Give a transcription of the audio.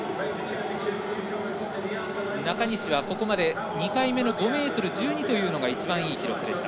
中西はここまで２回目の５ｍ１２というのが一番いい記録でした。